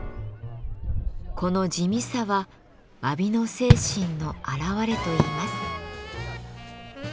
この地味さはわびの精神の表れといいます。